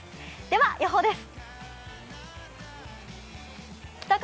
では、予報です。